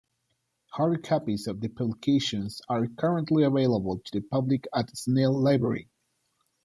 Hard copies of the publications are currently available to the public at Snell Library.